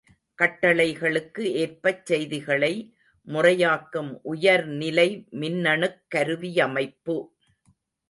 கட்டளைகளுக்கு ஏற்பச் செய்திகளை முறையாக்கும் உயர்நிலை மின்னணுக் கருவியமைப்பு.